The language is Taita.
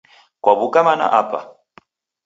kwaw'uka mana apa?